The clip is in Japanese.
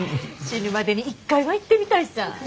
死ぬまでに一回は行ってみたいさぁ。